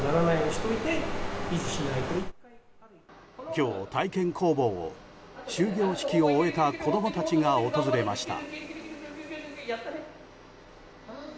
今日、体験工房を終業式を終えた子供たちが訪れました。